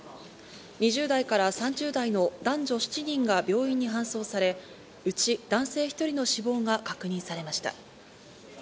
２０代から３０代の男女７人が病院に搬送され、うち男性１人の死亡が確認されました。